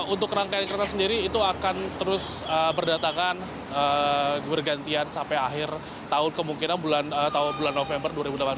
untuk rangkaian kereta sendiri itu akan terus berdatangan bergantian sampai akhir tahun kemungkinan atau bulan november dua ribu delapan belas